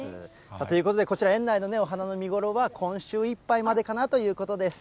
ということで、こちら、園内の花の見頃は今週いっぱいまでかなということです。